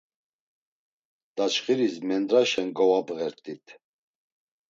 Daçxiris mendraşen govabğert̆it.